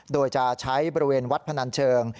โดยจะใช้บริเวณวัดพนันเชิง